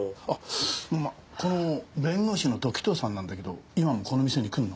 ママこの弁護士の時任さんなんだけど今もこの店に来るの？